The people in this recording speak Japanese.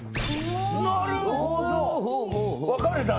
なるほど分かれたね。